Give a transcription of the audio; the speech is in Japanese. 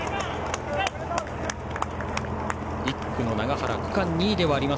１区の永原区間２位ではあります